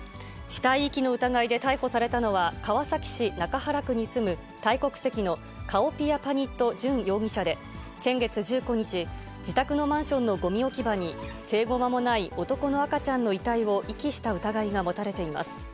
死体遺棄の疑いで逮捕されたのは、川崎市中原区に住むタイ国籍のカオピアパニット・ジュン容疑者で、先月１９日、自宅のマンションのごみ置き場に生後間もない男の赤ちゃんの遺体を遺棄した疑いが持たれています。